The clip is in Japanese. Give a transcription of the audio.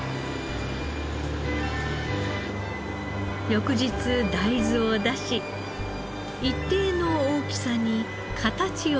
翌日大豆を出し一定の大きさに形を整えます。